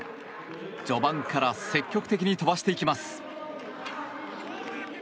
序盤から積極的に飛ばしていきます。